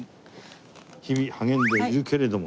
「日々励んでいるけれども」。